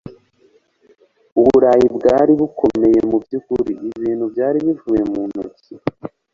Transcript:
uburayi bwari bukomeye, mubyukuri, ibintu byari bivuye mu ntoki